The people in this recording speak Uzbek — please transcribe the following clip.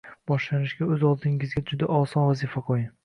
Boshlanishiga o’z oldingizga juda oson vazifa qo’ying